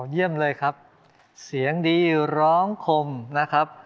เยี่ยมเลยครับเสียงดีร้องคมนะครับ